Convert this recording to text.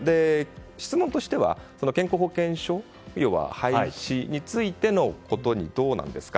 質問としては健康保険証要は廃止についてのことにどうなんですか。